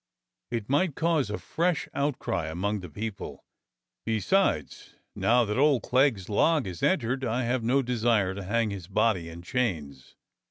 It might cause a fresh outcry among the people. Be sides, now that old Clegg's log is entered, I've no desire to hang his body in chains.